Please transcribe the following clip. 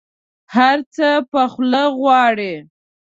هر څه په خوله غواړي.